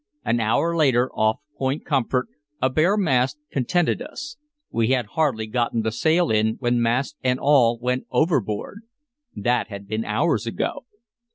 An hour later, off Point Comfort, a bare mast contented us; we had hardly gotten the sail in when mast and all went overboard. That had been hours ago.